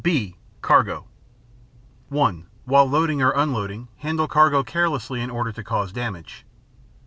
(b) Cargo (1) While loading or unloading, handle cargo carelessly in order to cause damage.